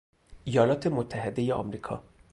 ایالات متحده آمریکا